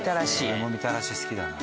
俺もみたらし好きだな。